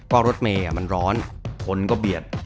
ก็รถเมย์อ่ะมันร้อนคนก็เบียด